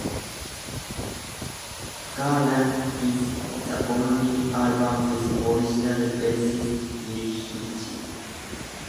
"Garlands" is the only album with original bassist Will Heggie.